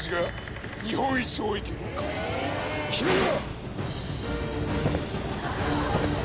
君は。